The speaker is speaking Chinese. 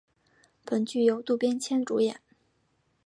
本剧由渡边谦主演。